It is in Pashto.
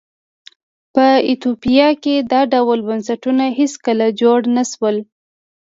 په ایتوپیا کې دا ډول بنسټونه هېڅکله جوړ نه شول.